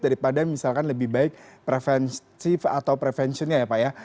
daripada misalkan lebih baik preventif atau preventionnya ya pak ya